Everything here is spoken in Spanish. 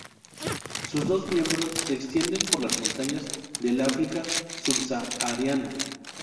Sus dos miembros se extienden por las montañas del África subsahariana.